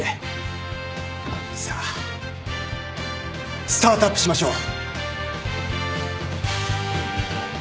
さあスタートアップしましょう！